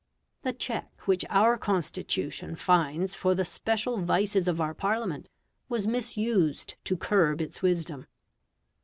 The check which our Constitution finds for the special vices of our Parliament was misused to curb its wisdom.